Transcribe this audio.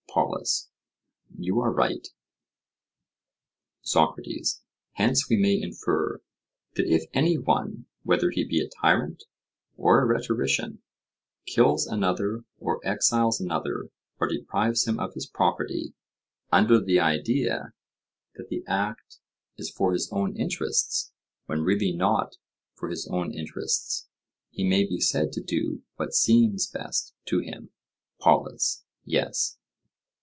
POLUS: You are right. SOCRATES: Hence we may infer, that if any one, whether he be a tyrant or a rhetorician, kills another or exiles another or deprives him of his property, under the idea that the act is for his own interests when really not for his own interests, he may be said to do what seems best to him? POLUS: Yes.